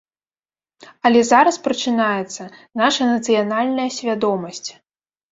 Але зараз прачынаецца наша нацыянальная свядомасць.